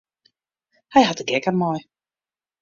Hy hat de gek dermei.